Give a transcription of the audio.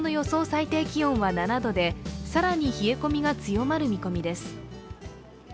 最低気温は７度で更に冷え込みが強まる見込みです。